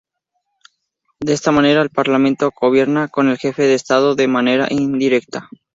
De esta manera, el parlamento co-gobierna con el jefe de estado de manera indirecta.